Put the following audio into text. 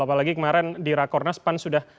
apalagi kemarin di rakornas pan sudah